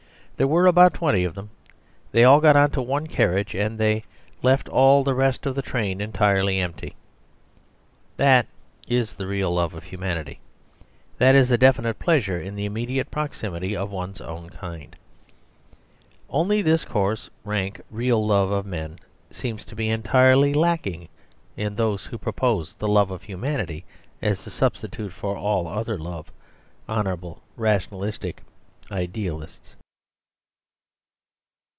There were about twenty of them; they all got into one carriage; and they left all the rest of the train entirely empty. That is the real love of humanity. That is the definite pleasure in the immediate proximity of one's own kind. Only this coarse, rank, real love of men seems to be entirely lacking in those who propose the love of humanity as a substitute for all other love; honourable, rationalistic idealists.